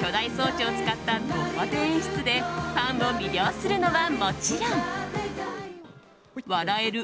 巨大装置を使ったド派手演出でファンを魅了するのはもちろん笑える